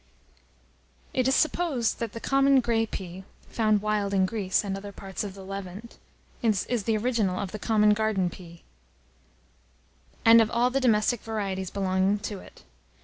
It is supposed that the common gray pea, found wild in Greece, and other parts of the Levant, is the original of the common garden pea, and of all the domestic varieties belonging to it.